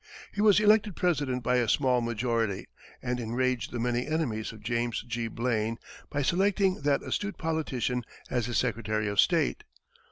He was elected President by a small majority, and enraged the many enemies of James G. Blaine by selecting that astute politician as his secretary of state.